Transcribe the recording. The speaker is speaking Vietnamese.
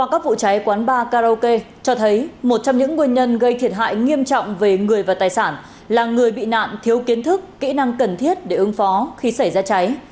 các quán bà karaoke gây thiệt hại nghiêm trọng về người và tài sản là người bị nạn thiếu kiến thức kỹ năng cần thiết để ứng phó khi xảy ra cháy